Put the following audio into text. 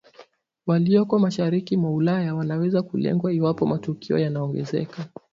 walioko mashariki mwa Ulaya wanaweza kulengwa iwapo matukio yanaongezeka